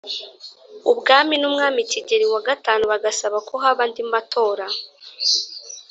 ubwami n umwami Kigeri V bagasaba ko haba andi matora